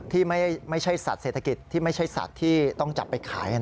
ที่ไม่ใช่สัตว์เศรษฐกิจที่ไม่ใช่สัตว์ที่ต้องจับไปขาย